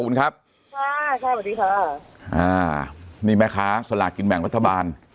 อ่านี่ไหมคะสละกินแบ่งรัฐบาล